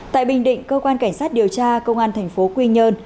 tại bình định cơ quan cảnh sát điều tra công an tp quy nhơn